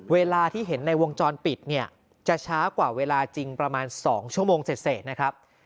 เวลาที่เห็นในวงจรปิดเนี่ยจะช้ากว่าเวลาจริงประมาณ๒ชั่วโมงเสร็จนะครับ